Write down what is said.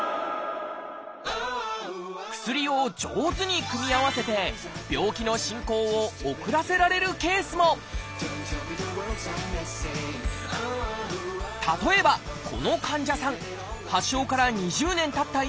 薬を上手に組み合わせて病気の進行を遅らせられるケースも例えばこの患者さん発症から２０年たった